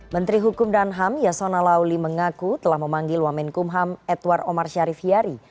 menteri hukum dan ham yasona lauli mengaku telah memanggil wamenkumham edward omar syarif hiyari